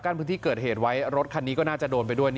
พื้นที่เกิดเหตุไว้รถคันนี้ก็น่าจะโดนไปด้วย